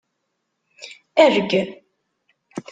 Erg!